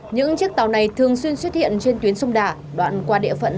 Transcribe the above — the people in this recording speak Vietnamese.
những chiếc tàu này thường xuyên xuất hiện trên tuyến sông đà đoạn qua địa phận